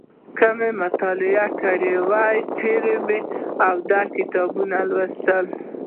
که مو مطالعه کړي وي چیرې او د چا کتابونه وو.